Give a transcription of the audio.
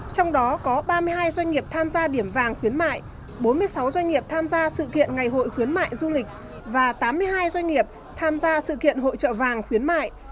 trong đó có ba mươi hai doanh nghiệp tham gia điểm vàng khuyến mại bốn mươi sáu doanh nghiệp tham gia sự kiện ngày hội khuyến mại du lịch và tám mươi hai doanh nghiệp tham gia sự kiện hội trợ vàng khuyến mại